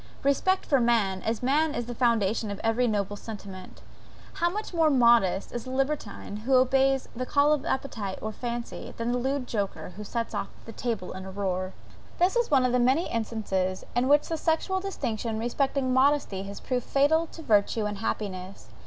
Respect for man, as man is the foundation of every noble sentiment. How much more modest is the libertine who obeys the call of appetite or fancy, than the lewd joker who sets the table in a roar. This is one of the many instances in which the sexual distinction respecting modesty has proved fatal to virtue and happiness.